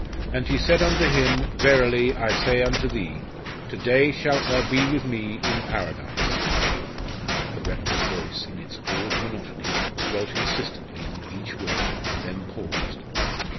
And He said unto him, Verily, I say unto thee, To day shalt thou be with Me in Paradise."_ The rector's voice, in its awed monotony, dwelt insistently on each word, then paused.